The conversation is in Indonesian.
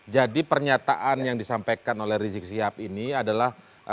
jadi pernyataan yang disampaikan oleh rizik sihab ini adalah